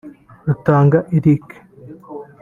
Rutanga Eric